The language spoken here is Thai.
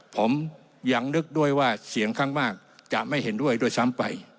ผมยังนึกด้วยว่าเสียงข้างมากจะไม่เห็นด้วยด้วยซ้ำไป